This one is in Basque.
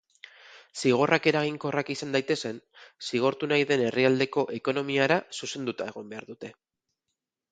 Zigorrak eraginkorrak izan daitezen zigortu nahi den herrialdeko ekonomiara zuzenduta egon behar dute.